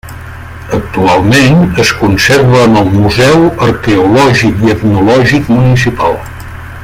Actualment es conserva en el Museu Arqueològic i Etnològic Municipal.